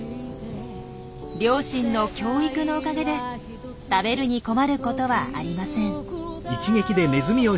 両親の教育のおかげで食べるに困ることはありません。